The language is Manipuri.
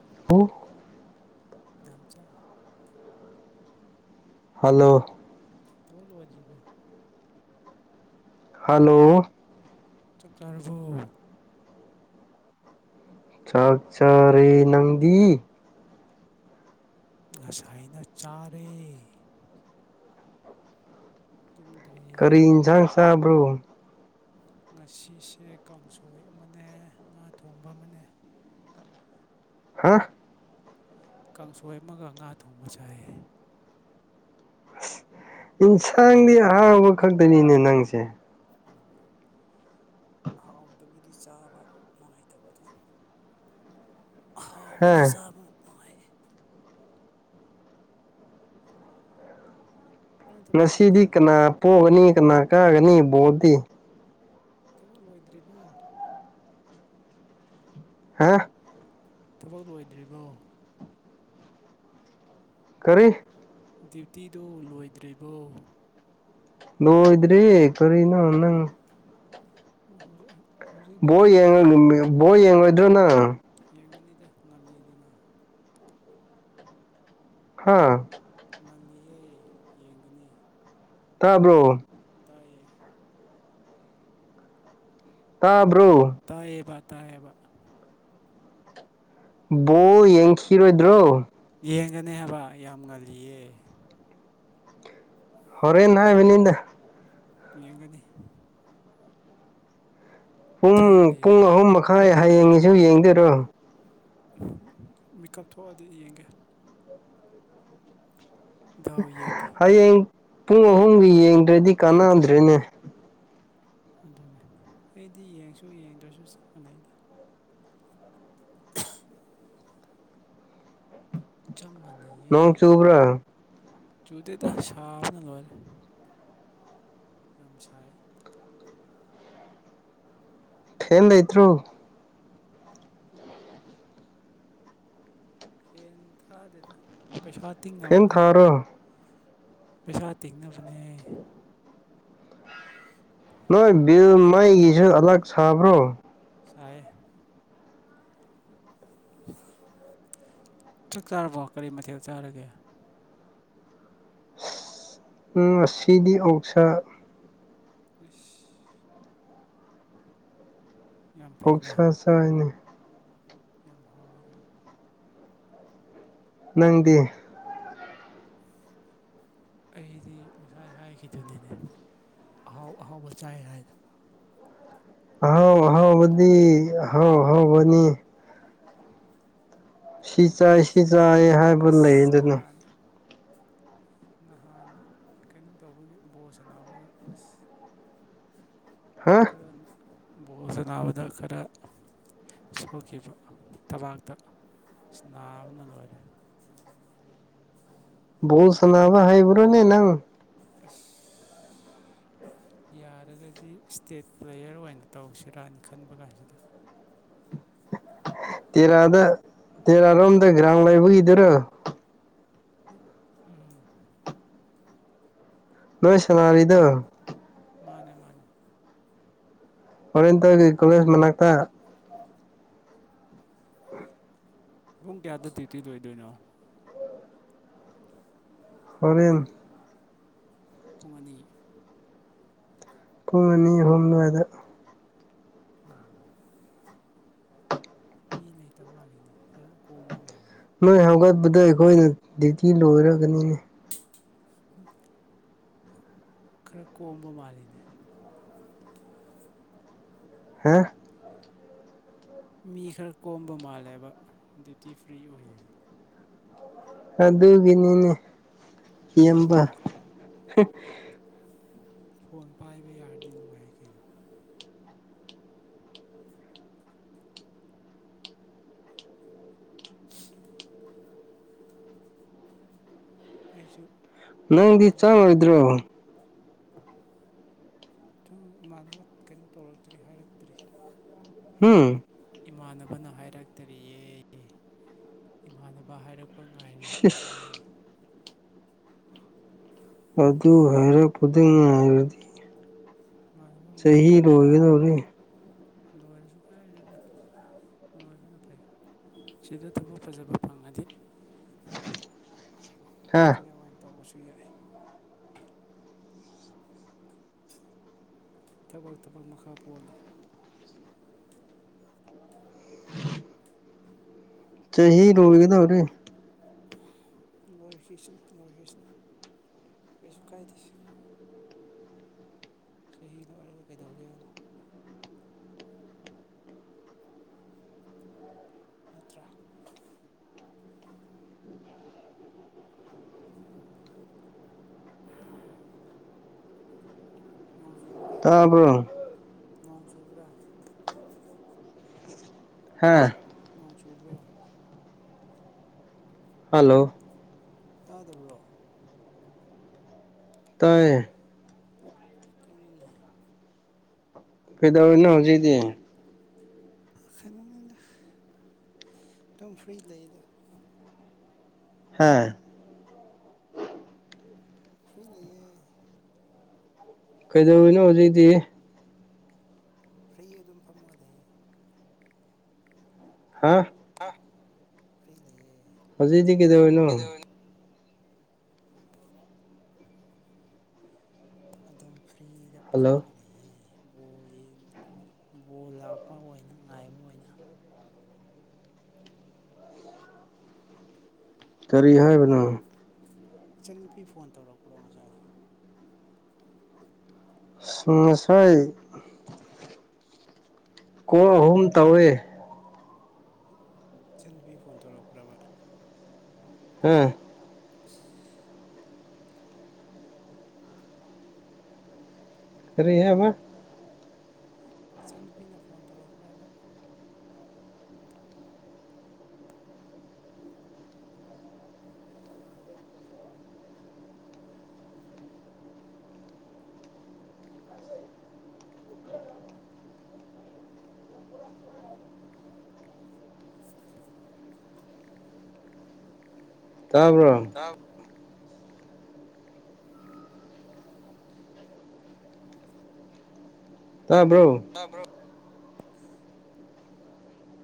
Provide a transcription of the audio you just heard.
ꯍꯜꯂꯣ ꯑꯣ ꯗꯥꯝꯆꯥ ꯍꯜꯂꯣ ꯊꯕꯛ ꯂꯣꯏꯗ꯭ꯔꯤꯕꯣ ꯍꯜꯂꯣ ꯆꯛ ꯆꯥꯔꯕꯣ ꯆꯥꯛ ꯆꯔꯦ ꯅꯪꯗꯤ ꯉꯁꯥꯏꯅ ꯆꯥꯔꯦ ꯇꯨꯝꯗ꯭ꯔꯤ ꯀꯔꯤ ꯏꯟꯖꯥꯡ ꯆꯥꯕ꯭ꯔꯣ ꯉꯥꯁꯤꯁꯦ ꯀꯥꯡꯁꯣꯏ ꯑꯃꯅꯦ ꯉꯥ ꯊꯣꯡꯕ ꯑꯃꯅꯦ ꯍꯥ ꯀꯥꯡꯁꯣꯏ ꯑꯃꯒ ꯉꯥ ꯊꯣꯡꯕ ꯆꯥꯏꯌꯦ ꯏꯟꯁꯥꯡꯗꯤ ꯑꯍꯥꯎꯕ ꯈꯛꯇꯅꯤꯅꯦ ꯅꯪꯁꯦ ꯎꯝ ꯍꯥꯎꯇꯕꯗꯤ ꯆꯥꯕ ꯅꯨꯡꯉꯥꯏꯇꯕꯗꯣ ꯍꯥ ꯑꯍꯥꯎꯕꯅ ꯆꯥꯕ ꯅꯨꯡꯉꯥꯏꯌꯦ ꯅꯪ ꯊꯕꯛ ꯉꯁꯤꯗꯤ ꯂꯣꯏꯗ꯭ꯔꯤꯕꯣ ꯀꯅꯥ ꯄꯣꯒꯅꯤ ꯀꯅꯥ ꯀꯥꯒꯅꯤ ꯕꯣꯗꯤ ꯊꯕꯛ ꯂꯣꯏꯗ꯭ꯔꯤꯕꯣ ꯍꯥ ꯊꯕꯛ ꯂꯣꯏꯗ꯭ꯔꯤꯕꯣ ꯀꯔꯤ ꯗ꯭ꯌꯨꯇꯤꯗꯣ ꯂꯣꯏꯗ꯭ꯔꯤꯕꯣ ꯂꯣꯏꯗ꯭ꯔꯤ ꯀꯔꯤ ꯅꯣ ꯅꯪ ꯑꯣ ꯍꯧꯖꯤꯛ ꯍꯧꯖꯤꯛ ꯗ꯭ꯌꯨꯇꯤ ꯃꯐꯝꯗꯔꯣ ꯕꯣꯏ ꯌꯦꯡꯉꯣꯏꯗ꯭ꯔꯣꯅ ꯌꯦꯡꯉꯅꯤꯗ ꯉꯜꯂꯤꯗꯅ ꯍꯥꯥ ꯉꯜꯂꯤꯌꯦ ꯌꯦꯡꯒꯅꯤ ꯇꯥꯕ꯭ꯔꯣ ꯇꯥꯏꯌꯦ ꯇꯥꯕ꯭ꯔꯣ ꯇꯥꯏꯌꯦꯕ ꯇꯥꯌꯦꯕ ꯕꯣꯜ ꯌꯦꯡꯈꯤꯔꯣꯏꯗ꯭ꯔꯣ ꯌꯦꯡꯉꯅꯤ ꯍꯥꯏꯕ ꯌꯥꯝ ꯉꯜꯂꯤꯌꯦ ꯍꯣꯔꯦꯟ ꯍꯥꯏꯃꯅꯤꯗ ꯌꯦꯡꯒꯅꯤ ꯄꯨꯡ ꯊꯦꯡꯅ ꯄꯨꯡ ꯌꯦꯡꯒꯅꯤ ꯑꯍꯨꯝ ꯃꯈꯥꯏ ꯍꯌꯦꯡꯒꯤꯁꯨ ꯌꯦꯡꯗꯣꯏꯔꯣ [unintelligible] ꯃꯤꯀꯞ ꯊꯣꯛꯑꯗꯤ ꯌꯦꯡꯒꯦ ꯗꯥꯎ ꯌꯦꯡꯒꯦ ꯍꯌꯦꯡ ꯄꯨꯡ ꯑꯍꯨꯝꯒꯤ ꯌꯦꯡꯗ꯭ꯔꯗꯤ ꯀꯥꯟꯅꯗ꯭ꯔꯦꯅꯦ ꯑꯗꯨꯅꯦ ꯑꯩꯗꯤ ꯌꯦꯉꯁꯨ ꯌꯦꯡꯗ꯭ꯔꯁꯨ ꯆꯞ ꯃꯅꯩꯗ ꯆꯞ ꯅꯣꯡ ꯃꯥꯟꯅꯩꯌꯦ ꯆꯨꯕ꯭ꯔꯥ ꯆꯨꯗꯦꯗ ꯁꯥꯕꯅ ꯂꯣꯏꯔꯦ ꯌꯥꯝ ꯁꯥꯏꯌꯦ ꯐꯦꯟ ꯂꯩꯇ꯭ꯔꯣ ꯐꯦꯟ ꯊꯥꯗꯦꯗ ꯄꯩꯁꯥ ꯐꯦꯟ ꯇꯤꯡꯅꯕꯅꯤ ꯊꯥꯔꯣ [unintelligible] ꯄꯩꯁꯥ ꯇꯤꯡꯅꯕꯅꯦ꯫ ꯅꯣꯏ ꯕꯤꯜ ꯃꯩꯒꯤꯁꯨ ꯑꯥꯂꯛ ꯁꯥꯕ꯭ꯔꯣ ꯁꯥꯌꯦ ꯆꯥꯛ ꯆꯥꯔꯕꯣ ꯀꯔꯤ ꯃꯊꯦꯜ ꯆꯥꯔꯒꯦ ꯎꯝ ꯉꯁꯤꯗꯤ ꯑꯣꯛꯁꯥ꯫ ꯏꯁ [unintelligible] ꯌꯥꯝ ꯐꯩꯅ ꯑꯣꯛꯁꯥ ꯆꯥꯏꯅꯦ꯫ ꯌꯥꯝ ꯍꯥꯎꯋꯦꯅ ꯅꯪꯗꯤ ꯑꯩꯗꯤ ꯉꯁꯥꯏ ꯍꯥꯏꯈꯤꯗꯨꯅꯤꯅꯦ ꯑꯍꯥꯎ ꯑꯍꯥꯎꯕ ꯆꯥꯏ ꯍꯥꯏꯅ꯫ ꯑꯍꯥꯎ ꯑꯍꯥꯎꯕꯗꯤ ꯑꯍꯥꯎ ꯑꯍꯥꯎꯕꯅꯤ꯫ ꯁꯤ ꯆꯥꯏ ꯁꯤ ꯆꯥꯏ ꯍꯥꯏꯕ ꯑꯁ ꯂꯩꯌꯦꯗꯅ ꯅꯍꯥꯟ ꯅꯍꯥꯟ ꯀꯩꯅꯣ ꯇꯧꯕꯒꯤ ꯕꯣꯜ ꯁꯥꯟꯅꯥꯕꯗ ꯑꯁ ꯍꯥ ꯈꯔ ꯅ ꯕꯣꯜ ꯁꯟꯅꯥꯕꯗ ꯈꯔ ꯁꯣꯛꯈꯤꯕ ꯊꯕꯥꯛꯇ ꯑꯁ ꯅꯥꯕꯅ ꯂꯣꯏꯔꯦ꯫ ꯕꯣꯜ ꯁꯟꯅꯥꯕ ꯍꯩꯕ꯭ꯔꯣꯅꯦ ꯅꯪ ꯑꯁꯁ ꯌꯥꯔꯒꯗꯤ ꯏꯁ꯭ꯇꯦꯠ ꯄ꯭ꯂꯦꯌꯔ ꯑꯣꯏꯅ ꯇꯧꯁꯤꯔꯅ ꯈꯟꯕ ꯀꯥꯟꯁꯤꯗ꯫ ꯇꯦꯔꯥꯗ ꯇꯦꯔꯥꯔꯣꯝꯗ ꯒ꯭ꯔꯥꯎꯟ ꯂꯕꯒꯤꯗꯨꯔꯣ [unintelligible] ꯎꯝꯝ ꯅꯣꯏ ꯁꯟꯅꯥꯔꯤꯗꯣ ꯃꯥꯅꯦ ꯃꯥꯅꯦ꯫ ꯑꯣꯔꯦꯟꯇꯦꯜꯒꯤ ꯀꯣꯂꯦꯁ ꯃꯅꯥꯛꯇ ꯄꯨꯡ ꯀ꯭ꯌꯥꯗ ꯗ꯭ꯌꯨꯇꯤ ꯂꯣꯏꯗꯣꯏꯅꯣ ꯍꯣꯔꯦꯟ꯫ ꯄꯨꯡ ꯑꯅꯤ꯫ ꯄꯨꯡ ꯑꯅꯤ ꯑꯍꯨꯝ ꯑꯗꯨꯋꯥꯏꯗ꯫ ꯎꯝ꯫ ꯃꯤ ꯂꯩꯇꯕ ꯃꯥꯜꯂꯤꯅꯦ ꯈ꯭ꯔ ꯀꯣꯝꯕ ꯃꯥꯜꯂꯤꯅꯦ꯫ ꯅꯣꯏ ꯍꯧꯒꯠꯄꯗ ꯑꯩꯈꯣꯏꯅ ꯗ꯭ꯌꯨꯇꯤ ꯂꯣꯏꯔꯒꯅꯤꯅꯦ [unintelligible] ꯈꯔ ꯀꯣꯝꯕ ꯃꯥꯜꯂꯤꯅꯦ ꯍꯥ ꯃꯤ ꯈꯔꯥ ꯀꯣꯝꯕ ꯃꯥꯜꯂꯦꯕ ꯗ꯭ꯌꯨꯇꯤ ꯐ꯭ꯔꯤ ꯑꯣꯏꯌꯦ ꯑꯗꯨꯒꯤꯅꯤꯅꯦ ꯏꯌꯝꯕ [unintelligible] ꯐꯣꯟ ꯄꯥꯏꯕ ꯌꯥꯔꯗꯤ ꯅꯨꯡꯉꯥꯏꯌꯦ ꯀꯩꯅꯣ꯫ ꯑꯩꯁꯨ꯫ ꯅꯪꯗꯤ ꯊꯕꯛ ꯍꯧꯅ ꯆꯪꯉꯔꯣꯏꯗ꯭ꯔꯣ ꯇꯨ ꯏꯃꯥꯟꯅꯕ ꯀꯩꯅꯣ ꯇꯧꯔꯛꯇ꯭ꯔꯤ ꯍꯥꯏꯔꯛꯇ꯭ꯔꯤ ꯍꯨꯝ ꯏꯃꯥꯟꯅꯕꯅ ꯍꯥꯏꯔꯛꯇ꯭ꯔꯤꯌꯦ ꯏꯃꯥꯟꯅꯕ ꯍꯥꯏꯔꯛ ꯄ ꯉꯥꯏꯔꯤꯕꯅꯦ ꯁꯤꯁ [unintelligible] ꯑꯗꯨ ꯍꯥꯏꯔꯛꯄꯗꯤ ꯉꯥꯏꯔꯗꯤ ꯏꯃꯥꯟꯅꯕ ꯑꯃꯨꯛ ꯆꯍꯤ ꯉꯥꯏꯗꯣꯏꯅꯦ ꯂꯣꯏꯒꯗꯧꯔꯦ ꯂꯣꯏꯔꯁꯨ ꯀꯥꯏꯗꯦꯗꯥ ꯂꯣꯏꯕꯅ ꯐꯩ ꯁꯤꯗ ꯊꯕꯛ ꯐꯖꯕ ꯐꯪꯉꯗꯤ [unintelligible] ꯍꯥ ꯁꯤꯗ ꯑꯣꯏꯅ ꯇꯧꯔꯁꯨ ꯌꯥꯏ ꯊꯕꯛ ꯊꯕꯛ ꯃꯈꯥ ꯄꯣꯜꯂꯦ ꯆꯍꯤ ꯂꯣꯏꯒꯗꯧꯔꯦ ꯂꯣꯏꯈꯤꯁ꯭ꯅꯨ ꯂꯣꯏꯈꯤꯁ꯭ꯅꯨ ꯀꯩꯁꯨ ꯀꯥꯏꯗꯦ ꯆꯍꯤ ꯂꯣꯏꯔꯒ ꯀꯩꯗꯧꯒꯦ ꯍꯥꯏꯅꯣ ꯅꯠꯇ꯭ꯔꯥ [unintelligible] ꯅꯣꯡ ꯆꯨꯕ꯭ꯔꯥ ꯑꯗ ꯇꯥꯕ꯭ꯔꯣ ꯅꯣꯡ ꯆꯨꯕ꯭ꯔꯥ ꯍꯥꯥ ꯅꯣꯡ ꯆꯨꯕ꯭ꯔꯣ ꯍꯜꯂꯣ ꯇꯥꯗꯕ꯭ꯔꯣ ꯇꯥꯏꯌꯦ ꯀꯩꯅꯣꯅꯦ ꯀꯩꯗꯧꯔꯤꯅꯣ ꯍꯧꯖꯤꯛꯗꯤ [unintelligible] ꯑꯗꯨꯝ ꯐ꯭ꯔꯤ ꯂꯩꯗ ꯍꯥ ꯍꯨꯏ ꯂꯩꯌꯦ ꯀꯩꯗꯧꯔꯤꯅꯣ ꯍꯧꯖꯤꯛꯇꯤ ꯐ꯭ꯔꯤ ꯑꯗꯨꯝ ꯐꯝꯃꯒ ꯂꯩꯌꯦ ꯍꯥ ꯐ꯭ꯔꯤ ꯂꯩꯌꯦ ꯍꯧꯖꯤꯛꯗꯤ ꯀꯩꯗꯧꯔꯤꯅꯣ ꯑꯗꯨꯝ ꯐ꯭ꯔꯤꯗ ꯍꯜꯂꯣ ꯐꯝꯃꯒ ꯂꯩꯌꯦ ꯕꯣꯜ ꯌꯦꯡ ꯕꯣꯜ ꯂꯥꯛꯄ ꯑꯣꯏꯅ ꯉꯥꯏꯕ ꯑꯣꯏꯅ ꯀꯔꯤ ꯍꯥꯏꯕꯅꯣ ꯏꯆꯟꯅꯨꯄꯤ ꯐꯣꯟ ꯇꯧꯔꯛꯄ꯭ꯔꯣ ꯉꯁꯥꯏ ꯉꯁꯥꯏ ꯀꯣꯜ ꯑꯍꯨꯝ ꯇꯧꯋꯦ ꯏꯆꯟꯅꯨꯕꯤ ꯐꯣꯟ ꯇꯧꯔꯛꯄ꯭ꯔꯕ ꯍ ꯑꯁ ꯀꯔꯤ ꯍꯥꯏꯕ ꯏꯆꯟꯅꯨꯄꯤꯅ ꯐꯣꯟ ꯇꯧꯔꯛꯄ꯭ꯔꯕ ꯇꯥꯕ꯭ꯔꯣ ꯇꯥꯕ꯭ꯔꯣ ꯇꯥꯕ꯭ꯔꯣ